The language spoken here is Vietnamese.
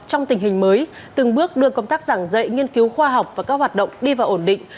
trong tình hình mới từng bước đưa công tác giảng dạy nghiên cứu khoa học và các hoạt động đi vào ổn định